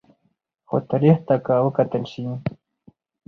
خو تاریخ ته که وکتل شي